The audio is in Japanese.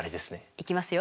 いきますよ。